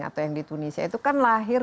atau yang di tunisia itu kan lahir